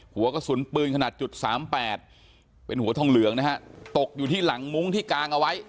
หัวกระสุนปืนขนาดจุดสามแปดเป็นหัวทองเหลืองนะฮะตกอยู่ที่หลังมุ้งที่กางเอาไว้